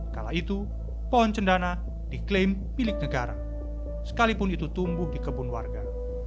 kala itu pohon cendana diklaim milik negara sekalipun itu tumbuh di kebun warga